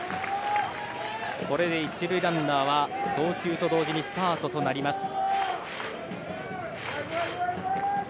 これで１塁ランナーは投球と同時にスタートとなります。